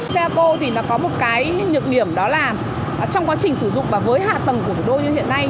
xe hako thì nó có một cái nhược điểm đó là trong quá trình sử dụng và với hạ tầng của đô như hiện nay